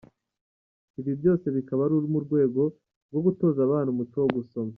Ibi byose bikaba ari mu rwego rwo gutoza abana umuco wo gusoma.